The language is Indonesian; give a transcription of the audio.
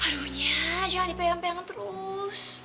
aduhnya jangan dipegang pegang terus